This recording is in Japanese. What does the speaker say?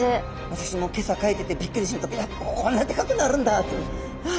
私も今朝描いててびっくりいやこんなでかくなるんだってはい。